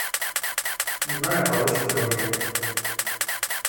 Не знаю, получится ли у меня.